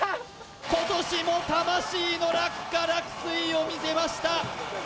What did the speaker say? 今年も魂の落下落水を見せました